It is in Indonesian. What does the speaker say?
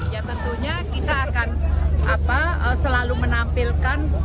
ya tentunya kita akan selalu menampilkan